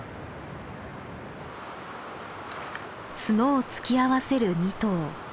角を突き合わせる２頭。